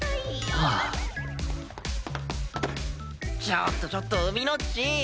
ちょっとちょっと海野っち！